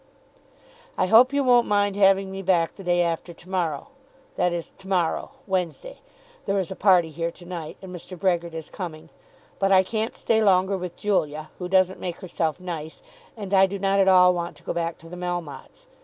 I hope you won't mind having me back the day after to morrow, that is to morrow, Wednesday. There is a party here to night, and Mr. Brehgert is coming. But I can't stay longer with Julia, who doesn't make herself nice, and I do not at all want to go back to the Melmottes.